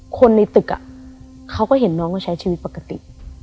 คนในตึกเขาก็เห็นน้องเขาใช้ชีวิตปกติ